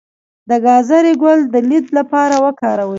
د ګازرې ګل د لید لپاره وکاروئ